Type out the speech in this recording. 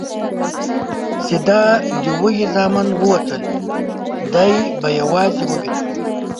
چې دا د وږي زامن ووتل، دی به یوازې ووینم؟